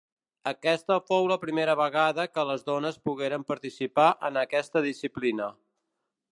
Aquesta fou la primera vegada que les dones pogueren participar en aquesta disciplina.